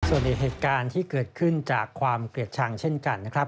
ส่วนอีกเหตุการณ์ที่เกิดขึ้นจากความเกลียดชังเช่นกันนะครับ